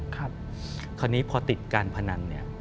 คราวนี้พอติดการพนัน